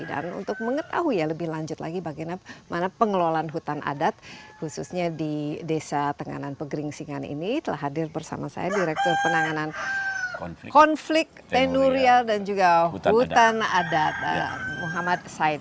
dan untuk mengetahui lebih lanjut lagi bagaimana pengelolaan hutan adat khususnya di desa tenganan pegeringsingan ini telah hadir bersama saya direktur penanganan konflik tenurial dan juga hutan adat muhammad said